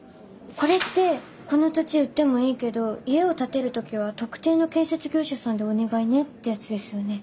これって「この土地を売ってもいいけど家を建てる時は特定の建設業者さんでお願いね」ってやつですよね。